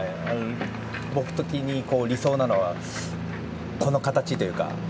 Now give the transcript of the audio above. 僕的に理想なのはこの形というか。